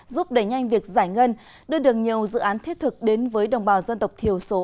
giúp đẩy nhanh việc giải ngân đưa đường nhiều dự án thiết thực đến với đồng bào dân tộc thiểu số